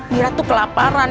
mira tuh kelaparan